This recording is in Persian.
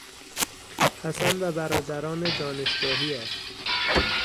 حسن و برادران دانشگاهیاش